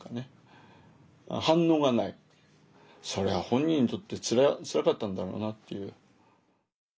それは本人にとってつらかったんだろうなっていう。